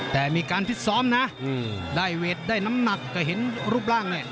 แต่มีการพิษซ้อมนะได้เวทได้น้ำหนักก็เห็นรูปร่างเนี่ย